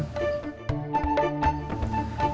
program buat pengajian anak anak